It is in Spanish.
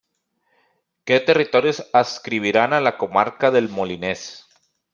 ¿Qué territorios adscribirán a la comarca del Molinés?